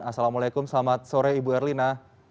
assalamualaikum selamat sore ibu erlina